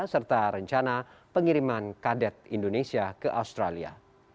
serta rencana pengiriman kadet indonesia ke australia